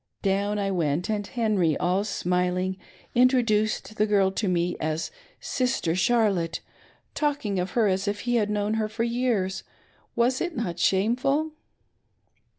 Down I went, and Henry, all smiling, introduced the girl to me as ' Sister Charlotte,' talking' of her as if he had known her for years. Was it not shameful